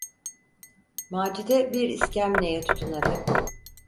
Macide bir iskemleye tutunarak: